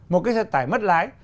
một cái xe tải mất lái